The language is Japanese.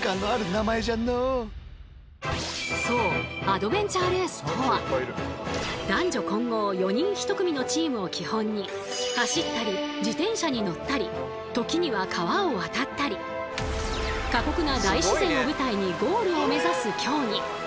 アドベンチャーレースとは男女混合４人１組のチームを基本に走ったり自転車に乗ったり時には川を渡ったり過酷な大自然を舞台にゴールを目指す競技。